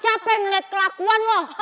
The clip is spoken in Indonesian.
capek liat kelakuan lo